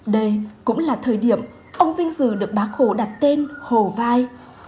đây cũng là thời điểm ông vinh dự được bác hồ đặt tên hồ vai